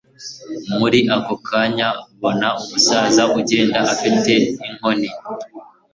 muri ako kanya mbona umusaza ugenda afite inkoni